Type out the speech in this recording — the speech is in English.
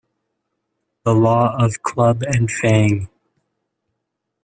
The Law of Club and Fang